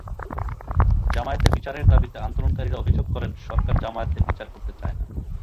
জামায়াতের বিচারের দাবিতে আন্দোলনকারীরা অভিযোগ করেন, সরকার জামায়াতের বিচার করতে চায় না।